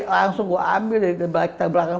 langsung gue ambil dari latar belakang